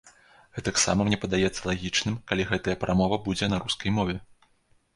Гэтак сама мне падаецца лагічным, калі гэтая прамова будзе на рускай мове.